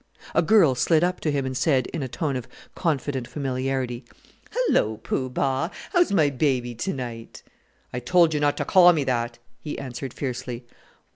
A girl slid up to him and said, in a tone of confident familiarity, "Hullo! Poo Bah. How's my baby to night?" "I told you not to call me that!" he answered fiercely.